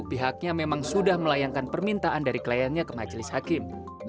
pihaknya memang sudah melayangkan permintaan dari kliennya ke majelis hakim